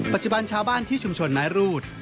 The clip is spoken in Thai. ปัจจุบันชาวบ้านที่ชุมชนไม้รูด